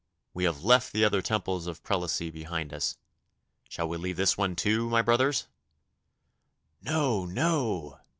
We have left the other temples of Prelacy behind us. Shall we leave this one, too, my brothers?' 'No, no!